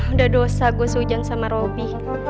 udah dosa gue sehujan sama roby